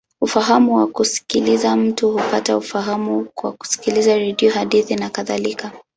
Ufahamu wa kusikiliza: mtu hupata ufahamu kwa kusikiliza redio, hadithi, nakadhalika.